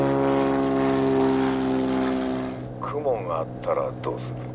雲があったらどうする？